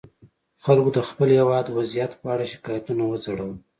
خلکو د خپل هېواد وضعیت په اړه شکایتونه وځړول.